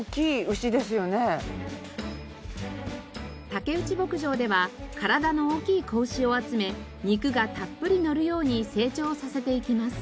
竹内牧場では体の大きい子牛を集め肉がたっぷり乗るように成長させていきます。